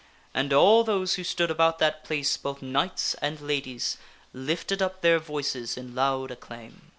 And all those who stood about that place, both knights and ladies, lifted up their voices in loud acclaim.